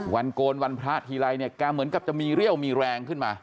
โกนวันพระทีไรเนี่ยแกเหมือนกับจะมีเรี่ยวมีแรงขึ้นมา